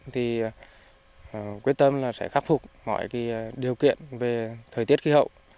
thì quyết tâm sẽ khắc phục mọi điều kiện về thời tiết khí hậu